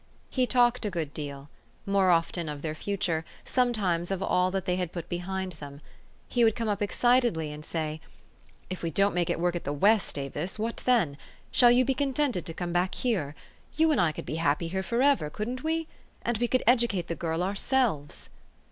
He talked a good deal, more often of their future, sometimes of all that they had put behind them. He would come up excitedly and say, " If we don't make it work at the "West, Avis, what then ? Shall you be contented to come back here ? You and I could be happy here forever ; couldn't we ? And we could educate the girl ourselves."